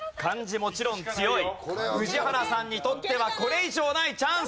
もちろん強い宇治原さんにとってはこれ以上ないチャンス。